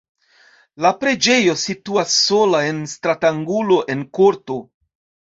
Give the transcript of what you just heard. La preĝejo situas sola en stratangulo en korto.